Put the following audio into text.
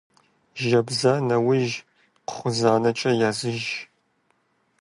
Жэбза нэужь кхъузанэкӀэ языж.